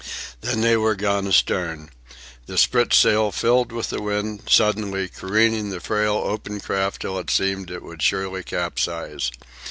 Then they were gone astern. The spritsail filled with the wind, suddenly, careening the frail open craft till it seemed it would surely capsize.